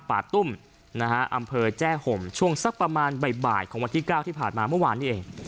ป่าตุ้มนะฮะอำเภอแจ้ห่มช่วงสักประมาณบ่ายของวันที่๙ที่ผ่านมาเมื่อวานนี้เอง